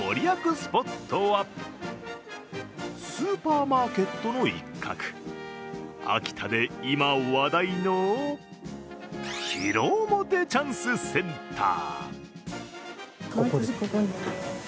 スポットはスーパーマーケットの一角、秋田で今話題の広面チャンスセンター。